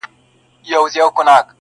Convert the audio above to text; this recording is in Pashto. پلار و زوی ته و ویل د زړه له زوره,